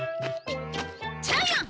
ジャイアン！